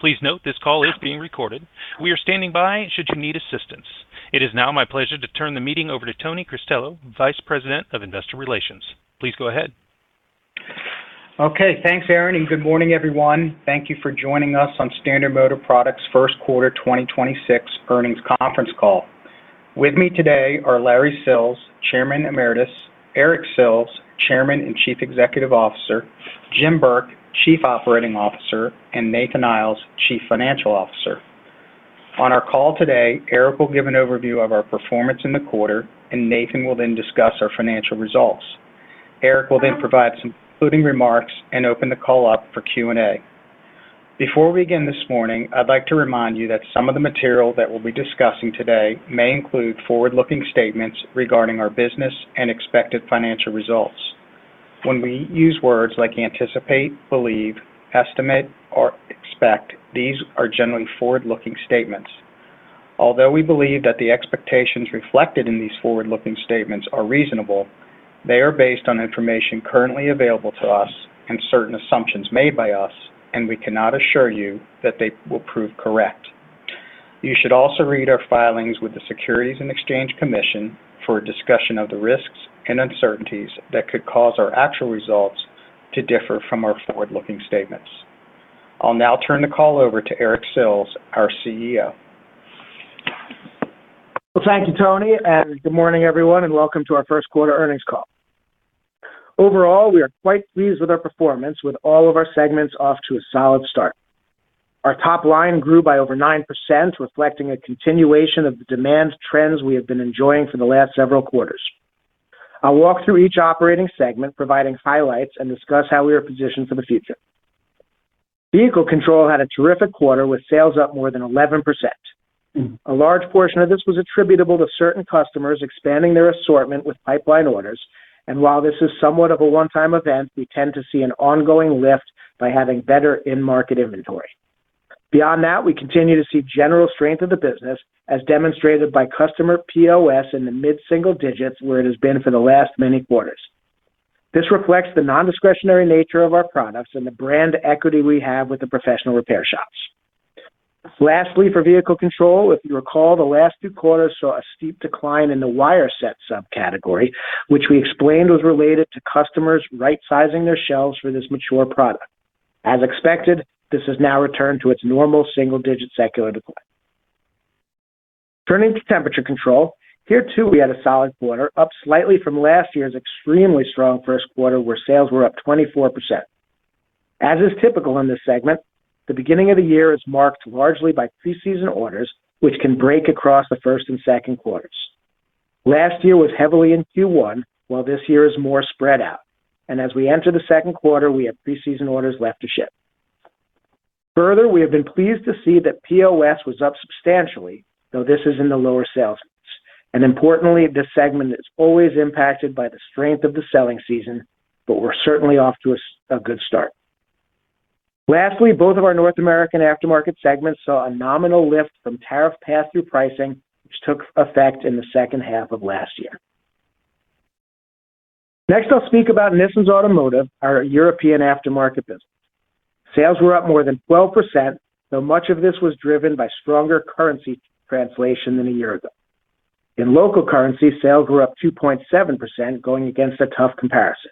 Please note this call is being recorded. We are standing by should you need assistance. It is now my pleasure to turn the meeting over to Tony Cristello, Vice President of Investor Relations. Please go ahead. Okay. Thanks, Aaron, and good morning, everyone. Thank you for joining us on Standard Motor Products' first quarter 2026 earnings conference call. With me today are Larry Sills, Chairman Emeritus, Eric Sills, Chairman and Chief Executive Officer, Jim Burke, Chief Operating Officer, and Nathan Iles, Chief Financial Officer. On our call today, Eric will give an overview of our performance in the quarter, and Nathan will then discuss our financial results. Eric will then provide some concluding remarks and open the call up for Q&A. Before we begin this morning, I'd like to remind you that some of the material that we'll be discussing today may include forward-looking statements regarding our business and expected financial results. When we use words like anticipate, believe, estimate, or expect, these are generally forward-looking statements. Although we believe that the expectations reflected in these forward-looking statements are reasonable, they are based on information currently available to us and certain assumptions made by us, and we cannot assure you that they will prove correct. You should also read our filings with the Securities and Exchange Commission for a discussion of the risks and uncertainties that could cause our actual results to differ from our forward-looking statements. I'll now turn the call over to Eric Sills, our CEO. Thank you, Tony, and good morning, everyone, and welcome to our first quarter earnings call. Overall, we are quite pleased with our performance with all of our segments off to a solid start. Our top line grew by over 9%, reflecting a continuation of the demand trends we have been enjoying for the last several quarters. I'll walk through each operating segment, providing highlights and discuss how we are positioned for the future. Vehicle Control had a terrific quarter with sales up more than 11%. A large portion of this was attributable to certain customers expanding their assortment with pipeline orders, and while this is somewhat of a one-time event, we tend to see an ongoing lift by having better in-market inventory. Beyond that, we continue to see general strength of the business, as demonstrated by customer POS in the mid-single digits, where it has been for the last many quarters. This reflects the non-discretionary nature of our products and the brand equity we have with the professional repair shops. Lastly, for Vehicle Control, if you recall, the last two quarters saw a steep decline in the wire set subcategory, which we explained was related to customers right-sizing their shelves for this mature product. As expected, this has now returned to its normal single-digit secular decline. Turning to Temperature Control. Here, too, we had a solid quarter, up slightly from last year's extremely strong first quarter, where sales were up 24%. As is typical in this segment, the beginning of the year is marked largely by preseason orders, which can break across the first and second quarters. Last year was heavily in Q1, while this year is more spread out. As we enter the second quarter, we have preseason orders left to ship. Further, we have been pleased to see that POS was up substantially, though this is in the lower sales. Importantly, this segment is always impacted by the strength of the selling season, but we're certainly off to a good start. Lastly, both of our North American aftermarket segments saw a nominal lift from tariff pass-through pricing, which took effect in the second half of last year. Next, I'll speak about Nissens Automotive, our European aftermarket business. Sales were up more than 12%, though much of this was driven by stronger currency translation than a year ago. In local currency, sales were up 2.7%, going against a tough comparison.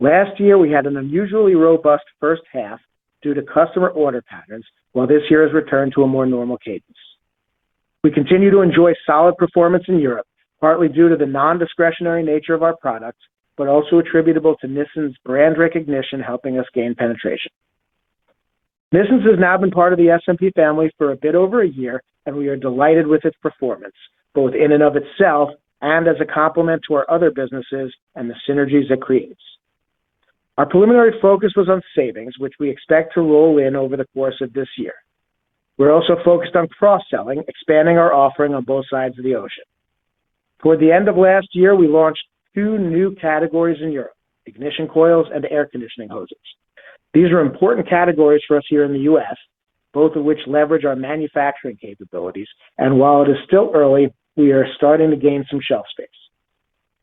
Last year, we had an unusually robust first half due to customer order patterns, while this year has returned to a more normal cadence. We continue to enjoy solid performance in Europe, partly due to the non-discretionary nature of our products, but also attributable to Nissens' brand recognition helping us gain penetration. Nissens has now been part of the SMP family for a bit over a year, and we are delighted with its performance, both in and of itself and as a complement to our other businesses and the synergies it creates. Our preliminary focus was on savings, which we expect to roll in over the course of this year. We're also focused on cross-selling, expanding our offering on both sides of the ocean. Toward the end of last year, we launched two new categories in Europe, ignition coils and air conditioning hoses. These are important categories for us here in the U.S., both of which leverage our manufacturing capabilities. While it is still early, we are starting to gain some shelf space.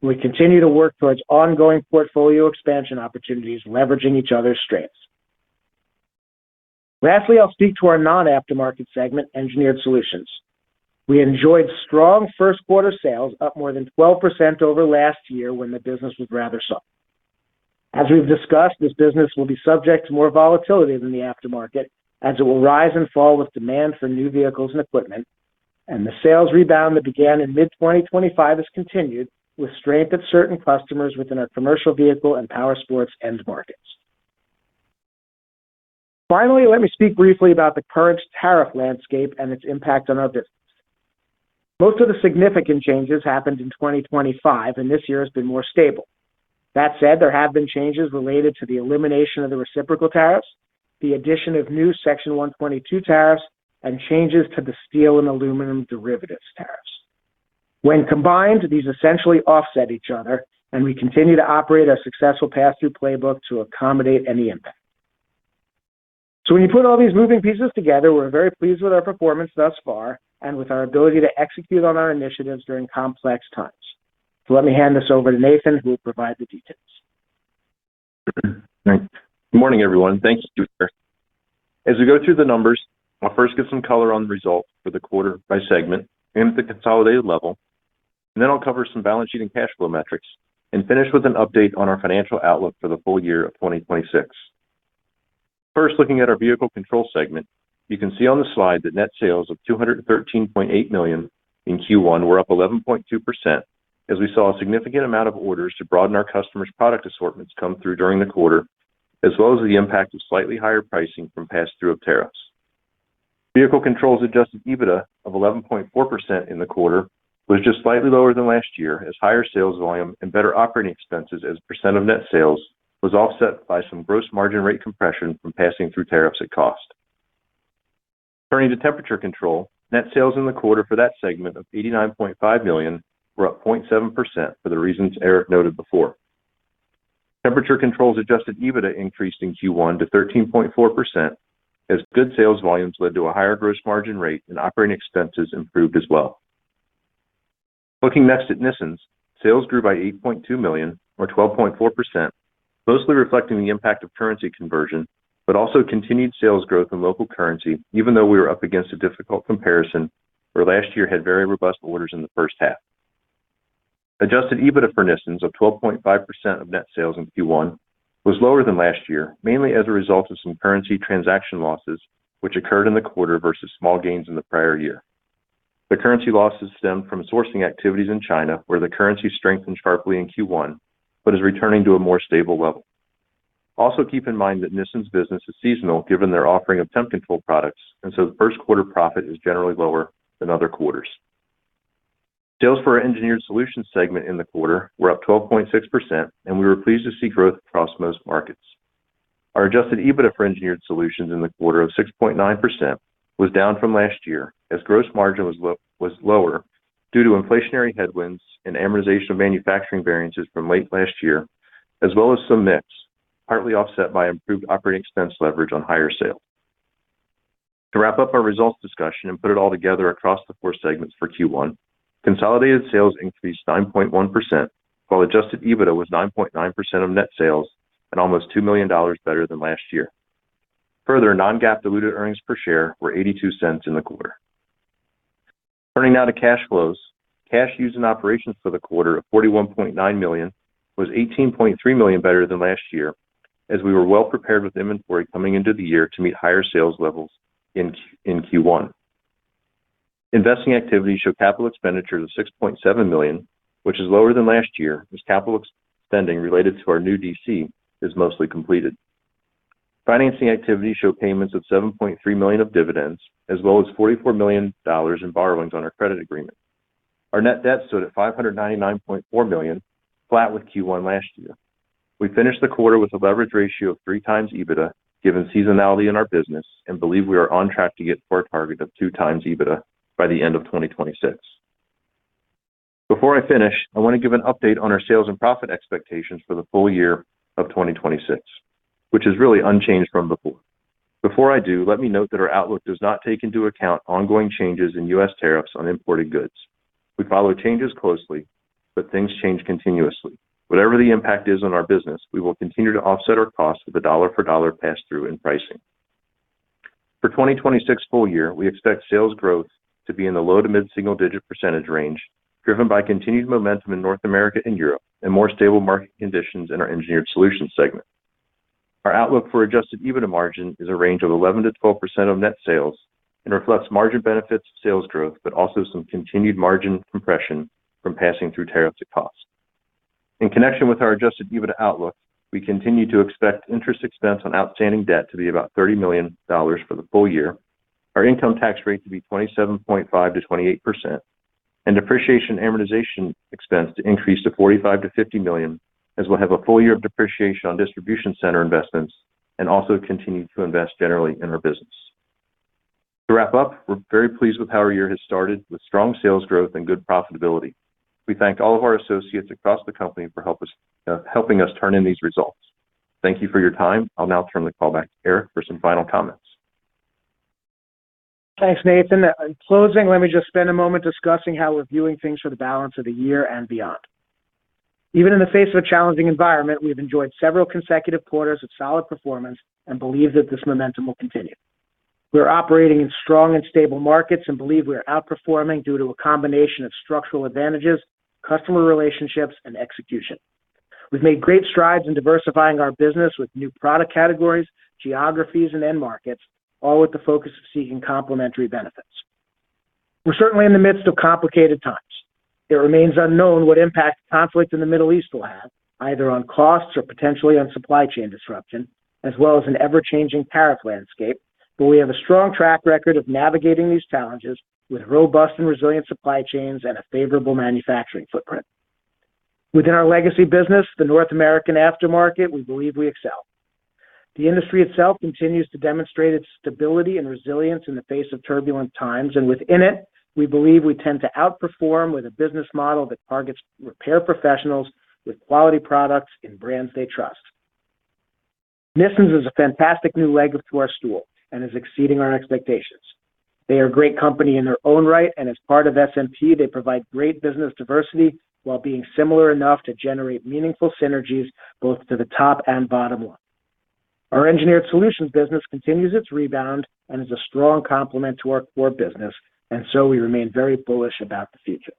We continue to work towards ongoing portfolio expansion opportunities, leveraging each other's strengths. Lastly, I'll speak to our non-aftermarket segment, Engineered Solutions. We enjoyed strong first quarter sales, up more than 12% over last year when the business was rather soft. As we've discussed, this business will be subject to more volatility than the aftermarket, as it will rise and fall with demand for new vehicles and equipment. The sales rebound that began in mid-2025 has continued with strength of certain customers within our commercial vehicle and power sports end markets. Finally, let me speak briefly about the current tariff landscape and its impact on our business. Most of the significant changes happened in 2025, and this year has been more stable. That said, there have been changes related to the elimination of the reciprocal tariffs, the addition of new Section 122 tariffs, and changes to the steel and aluminum derivatives tariffs. When combined, these essentially offset each other, and we continue to operate our successful pass-through playbook to accommodate any impact. When you put all these moving pieces together, we're very pleased with our performance thus far and with our ability to execute on our initiatives during complex times. Let me hand this over to Nathan, who will provide the details Thanks. Good morning, everyone. Thanks, Eric. As we go through the numbers, I'll first give some color on the results for the quarter by segment and at the consolidated level, and then I'll cover some balance sheet and cash flow metrics, and finish with an update on our financial outlook for the full year of 2026. First, looking at our Vehicle Control segment, you can see on the slide that net sales of $213.8 million in Q1 were up 11.2% as we saw a significant amount of orders to broaden our customers' product assortments come through during the quarter, as well as the impact of slightly higher pricing from pass-through of tariffs. Vehicle Control's adjusted EBITDA of 11.4% in the quarter was just slightly lower than last year as higher sales volume and better operating expenses as a percent of net sales was offset by some gross margin rate compression from passing through tariffs at cost. Turning to Temperature Control, net sales in the quarter for that segment of $89.5 million were up 0.7% for the reasons Eric noted before. Temperature Control's adjusted EBITDA increased in Q1 to 13.4% as good sales volumes led to a higher gross margin rate and operating expenses improved as well. Looking next at Nissens, sales grew by $8.2 million or 12.4%, mostly reflecting the impact of currency conversion, also continued sales growth in local currency, even though we were up against a difficult comparison where last year had very robust orders in the first half. Adjusted EBITDA for Nissens of 12.5% of net sales in Q1 was lower than last year, mainly as a result of some currency transaction losses which occurred in the quarter versus small gains in the prior year. The currency losses stemmed from sourcing activities in China, where the currency strengthened sharply in Q1 but is returning to a more stable level. Keep in mind that Nissens' business is seasonal given their offering of temp control products, the first quarter profit is generally lower than other quarters. Sales for our Engineered Solutions segment in the quarter were up 12.6%, and we were pleased to see growth across most markets. Our adjusted EBITDA for Engineered Solutions in the quarter of 6.9% was down from last year as gross margin was lower due to inflationary headwinds and amortization of manufacturing variances from late last year, as well as some mix, partly offset by improved operating expense leverage on higher sales. To wrap up our results discussion and put it all together across the four segments for Q1, consolidated sales increased 9.1%, while adjusted EBITDA was 9.9% of net sales and almost $2 million better than last year. Further, non-GAAP diluted earnings per share were $0.82 in the quarter. Turning now to cash flows, cash used in operations for the quarter of $41.9 million was $18.3 million better than last year, as we were well prepared with inventory coming into the year to meet higher sales levels in Q1. Investing activity showed capital expenditures of $6.7 million, which is lower than last year, as capital spending related to our new DC is mostly completed. Financing activity showed payments of $7.3 million of dividends, as well as $44 million in borrowings on our credit agreement. Our net debt stood at $599.4 million, flat with Q1 last year. We finished the quarter with a leverage ratio of 3x EBITDA, given seasonality in our business, and believe we are on track to get to our target of 2x EBITDA by the end of 2026. Before I finish, I want to give an update on our sales and profit expectations for the full year of 2026, which is really unchanged from before. Before I do, let me note that our outlook does not take into account ongoing changes in U.S. tariffs on imported goods. We follow changes closely, but things change continuously. Whatever the impact is on our business, we will continue to offset our costs with a $1 for $1 pass-through in pricing. For 2026 full year, we expect sales growth to be in the low to mid-single digit percentage range, driven by continued momentum in North America and Europe and more stable market conditions in our Engineered Solutions segment. Our outlook for adjusted EBITDA margin is a range of 11%-12% of net sales and reflects margin benefits to sales growth, but also some continued margin compression from passing through tariffs at cost. In connection with our adjusted EBITDA outlook, we continue to expect interest expense on outstanding debt to be about $30 million for the full year, our income tax rate to be 27.5%-28%, and depreciation and amortization expense to increase to $45 million-$50 million, as we'll have a full year of depreciation on distribution center investments and also continue to invest generally in our business. To wrap up, we're very pleased with how our year has started with strong sales growth and good profitability. We thank all of our associates across the company for helping us turn in these results. Thank you for your time. I'll now turn the call back to Eric for some final comments. Thanks, Nathan. In closing, let me just spend a moment discussing how we're viewing things for the balance of the year and beyond. Even in the face of a challenging environment, we've enjoyed several consecutive quarters of solid performance and believe that this momentum will continue. We are operating in strong and stable markets and believe we are outperforming due to a combination of structural advantages, customer relationships, and execution. We've made great strides in diversifying our business with new product categories, geographies, and end markets, all with the focus of seeking complementary benefits. We're certainly in the midst of complicated times. It remains unknown what impact the conflict in the Middle East will have, either on costs or potentially on supply chain disruption, as well as an ever-changing tariff landscape. We have a strong track record of navigating these challenges with robust and resilient supply chains and a favorable manufacturing footprint. Within our legacy business, the North American aftermarket, we believe we excel. The industry itself continues to demonstrate its stability and resilience in the face of turbulent times. Within it, we believe we tend to outperform with a business model that targets repair professionals with quality products and brands they trust. Nissens is a fantastic new leg to our stool and is exceeding our expectations. They are a great company in their own right and as part of SMP, they provide great business diversity while being similar enough to generate meaningful synergies both to the top and bottom line. Our Engineered Solutions business continues its rebound and is a strong complement to our core business. We remain very bullish about the future.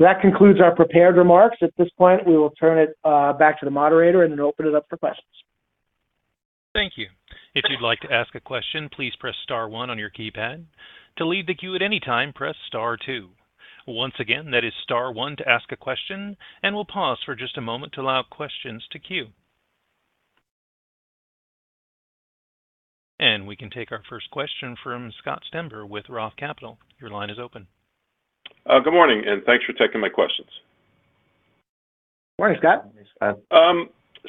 That concludes our prepared remarks. At this point, we will turn it back to the moderator. Open it up for questions. Thank you. If you'd like to ask a question, please press star one on your keypad. To leave the queue at any time, press star two. Once again, that is star one to ask a question, we'll pause for just a moment to allow questions to queue. We can take our first question from Scott Stember with Roth Capital. Your line is open. Good morning. Thanks for taking my questions. Morning, Scott Morning, Scott.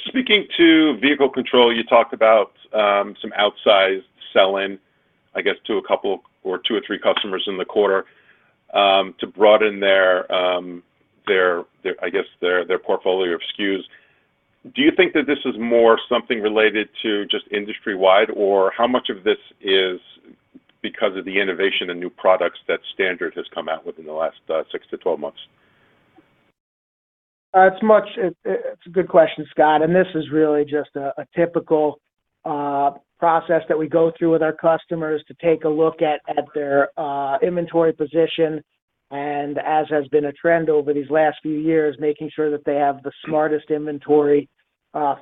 Speaking to Vehicle Control, you talked about some outsized sell-in, I guess, to a couple or two or three customers in the quarter, to broaden I guess, their portfolio of SKUs. Do you think that this is more something related to just industry-wide, or how much of this is because of the innovation and new products that Standard has come out with in the last, six to 12 months? It's a good question, Scott, and this is really just a typical process that we go through with our customers to take a look at their inventory position, and as has been a trend over these last few years, making sure that they have the smartest inventory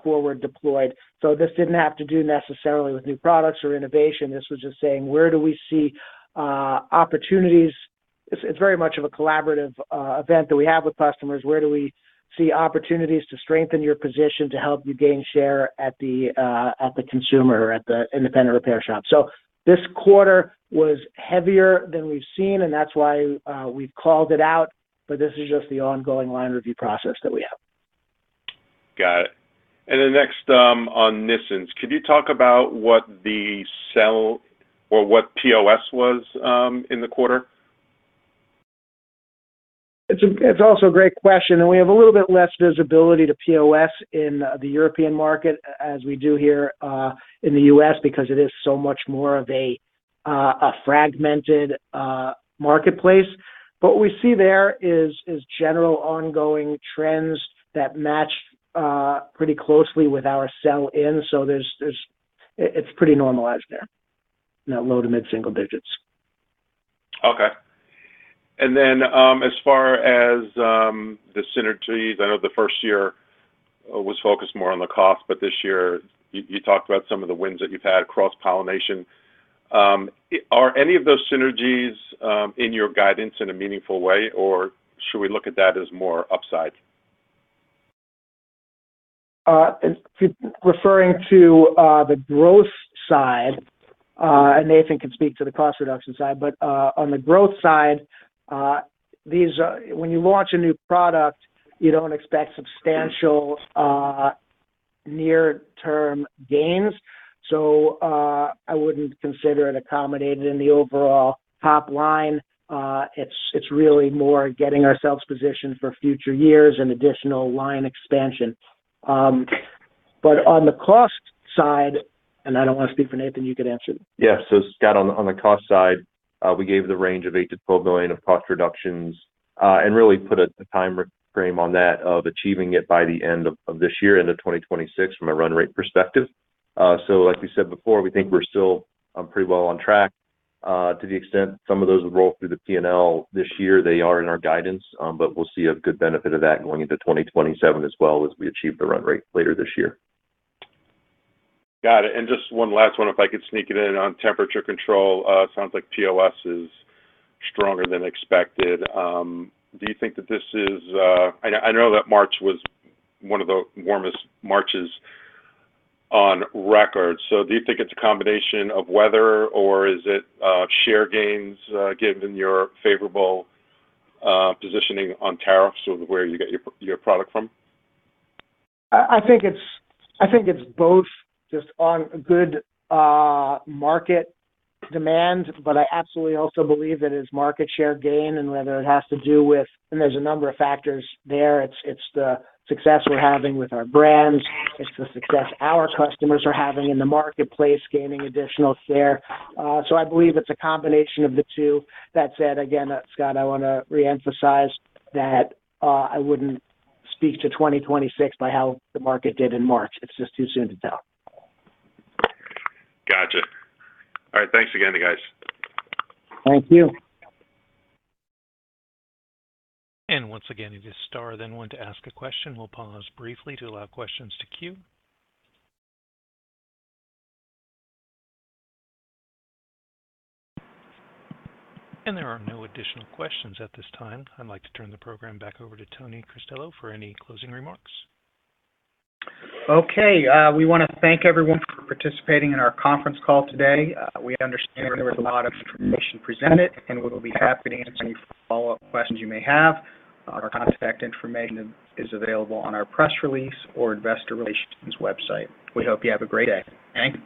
forward deployed. This didn't have to do necessarily with new products or innovation. This was just saying, where do we see opportunities? It's very much of a collaborative event that we have with customers. Where do we see opportunities to strengthen your position to help you gain share at the consumer or at the independent repair shop? This quarter was heavier than we've seen, and that's why we've called it out, but this is just the ongoing line review process that we have. Got it. Next, on Nissens. Could you talk about what the sell or what POS was in the quarter? It's also a great question, and we have a little bit less visibility to POS in the European market as we do here in the U.S. because it is so much more of a fragmented marketplace. What we see there is general ongoing trends that match pretty closely with our sell-in. It's pretty normalized there, you know, low to mid-single digits. Okay. As far as the synergies, I know the first year was focused more on the cost, but this year you talked about some of the wins that you've had, cross-pollination. Are any of those synergies in your guidance in a meaningful way, or should we look at that as more upside? If you're referring to the growth side, Nathan can speak to the cost reduction side. On the growth side, when you launch a new product, you don't expect substantial near-term gains, so I wouldn't consider it accommodated in the overall top line. It's really more getting ourselves positioned for future years and additional line expansion. On the cost side, I don't wanna speak for Nathan, you can answer. Scott, on the cost side, we gave the range of $8 million-$12 million of cost reductions, and really put a timeframe on that of achieving it by the end of this year, end of 2026 from a run rate perspective. Like we said before, we think we're still pretty well on track. To the extent some of those would roll through the P&L this year, they are in our guidance, but we'll see a good benefit of that going into 2027 as well as we achieve the run rate later this year. Got it. Just one last one if I could sneak it in on Temperature Control. Sounds like POS is stronger than expected. I know that March was one of the warmest Marches on record. Do you think it's a combination of weather, or is it share gains, given your favorable positioning on tariffs or where you get your product from? I think it's both just on good market demand. I absolutely also believe that it's market share gain. There's a number of factors there. It's the success we're having with our brands. It's the success our customers are having in the marketplace, gaining additional share. I believe it's a combination of the two. That said, again, Scott, I wanna reemphasize that I wouldn't speak to 2026 by how the market did in March. It's just too soon to tell. Gotcha. All right. Thanks again, guys. Thank you. Once again, it is star then one to ask a question. We'll pause briefly to allow questions to queue. There are no additional questions at this time. I'd like to turn the program back over to Tony Cristello for any closing remarks. Okay. We wanna thank everyone for participating in our conference call today. We understand there was a lot of information presented, and we'll be happy to answer any follow-up questions you may have. Our contact information is available on our press release or investor relations website. We hope you have a great day. Thank you.